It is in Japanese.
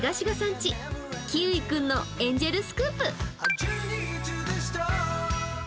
家キウイ君のエンジェルスクープ。